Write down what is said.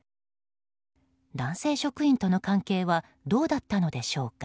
男性職員との関係はどうだったのでしょうか。